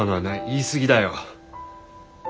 言い過ぎだよ。